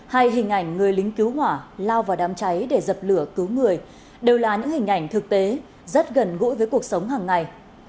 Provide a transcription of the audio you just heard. hay hình ảnh người lính cứu hỏa lao vào đám cháy để dập lửa cứu người đều là những hình ảnh thực tế rất gần gũi với cuộc sống hàng ngày